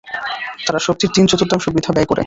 তারা শক্তির তিন-চতুর্থাংশ বৃথা ব্যয় করে।